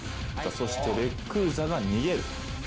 そしてレックウザが逃げる。